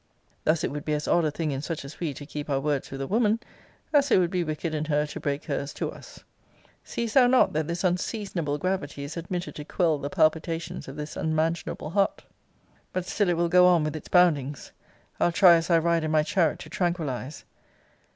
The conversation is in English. Thus it would be as odd a thing in such as we to keep our words with a woman, as it would be wicked in her to break her's to us. Seest thou not that this unseasonable gravity is admitted to quell the palpitations of this unmanageable heart? But still it will go on with its boundings. I'll try as I ride in my chariot to tranquilize.